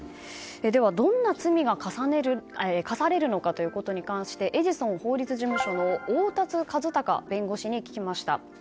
では、どんな罪が科されるのかということに関してエジソン法律事務所の大達一賢弁護士に聞きました。